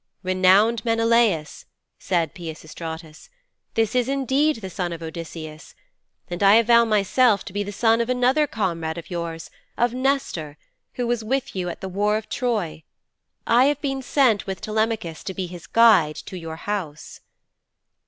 'Renowned Menelaus,' said Peisistratus, 'this is indeed the son of Odysseus. And I avow myself to be the son of another comrade of yours, of Nestor, who was with you at the war of Troy. I have been sent with Telemachus to be his guide to your house.'